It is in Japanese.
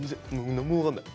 何も分かんない。